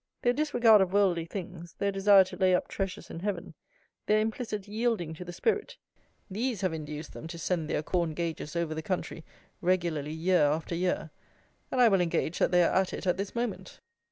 Their disregard of worldly things; their desire to lay up treasures in heaven; their implicit yielding to the Spirit; these have induced them to send their corn gaugers over the country regularly year after year; and I will engage that they are at it at this moment.